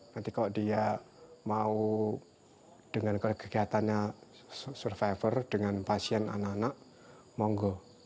nanti kalau dia mau dengan kegiatannya survivor dengan pasien anak anak monggo